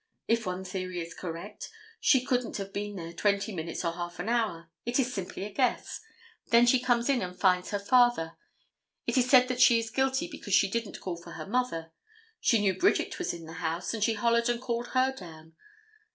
If one theory is correct, she couldn't have been there twenty minutes or half an hour. It is simply a guess. Then she comes in and finds her father. It is said that she is guilty because she didn't call for her mother. She knew Bridget was in the house, and she hollered and called her down.